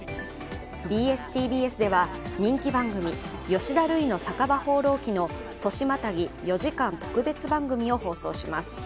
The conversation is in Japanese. ＢＳ−ＴＢＳでは人気番組「吉田類の酒場放浪記」の年またぎ４時間特別番組を放送します。